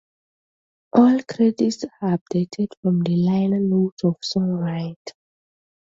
All credits are adapted from the liner notes of "Songwriter".